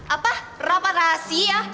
apa rapat rahasia